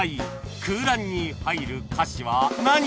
空欄に入る歌詞は何？